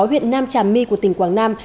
huyện nam trà my của tỉnh quảng nam